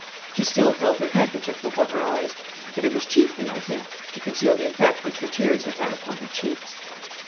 She still held her handkerchief before her eyes, but it was chiefly, I think, to conceal the effect which her tears had had upon her cheeks.